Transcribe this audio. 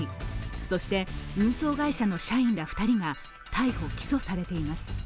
そして運送会社の社員ら２人が逮捕・起訴されています。